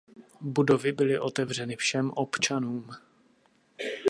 Budovy byly otevřeny všem občanům.